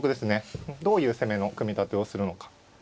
どういう攻めの組み立てをするのか。